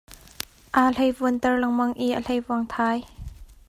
Aa hlei vuan ter lengmang i a hleivuang thai.